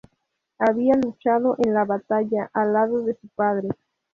Había luchado en la batalla al lado de su padre.